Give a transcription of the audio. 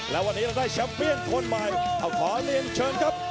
และวันนี้เราได้แชมป์เปียนคนใหม่เอาขอเรียนเชิญครับ